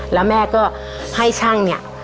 แล้วแม่ก็ให้ช่างเนี่ย